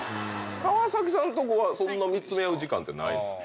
川崎さんとこはそんな見つめ合う時間ってないですか？